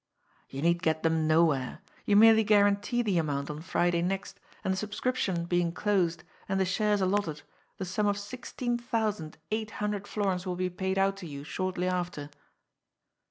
" You need get them nowhere. You merely guarantee the amount on Friday next, and the subscription being closed, and the shares allotted, the sum of sixteen thou sand eight hundred florins will be paid out to you shortly after."